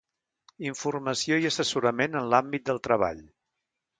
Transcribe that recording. Informació i assessorament en l'àmbit del treball.